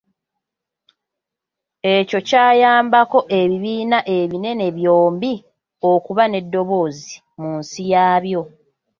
Ekyo kyayambako ebibiina ebinene byombi okuba n'eddoboozi mu nsi yaabyo.